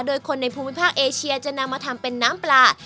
โดยคนในภูมิภาคเอเชียจะนำมาทำเป็นน้ำปลา